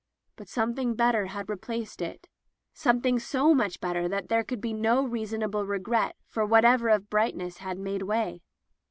But something better had replaced it — ^something so much better that there could be no reason able regret for whatever of brightness had made way.